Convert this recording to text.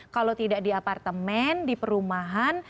kalau tidak di apartemen di perumahan